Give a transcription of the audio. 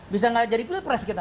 bisa gak jadi pilih pres kita ntar